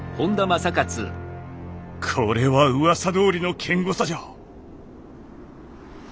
これはうわさどおりの堅固さじゃ。